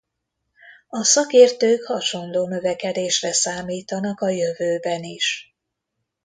A szakértők hasonló növekedésre számítanak a jövőben is.